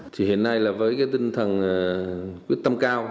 thì hiện nay là với cái tinh thần quyết tâm cao